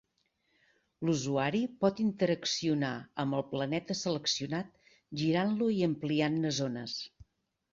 L'usuari pot interaccionar amb el planeta seleccionat girant-lo i ampliant-ne zones.